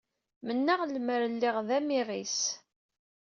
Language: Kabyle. Mennaɣ lemmer lliɣ d amiɣis.